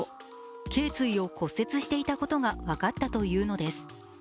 けい椎を骨折していたことが分かったというのです。